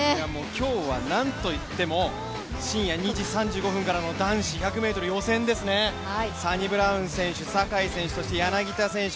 今日はなんといっても深夜２時３５分からの男子１００ｍ予選ですね、サニブラウン選手坂井選手、柳田選手。